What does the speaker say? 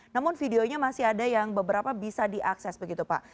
namun videonya masih ada yang beberapa bisa diakses begitu pak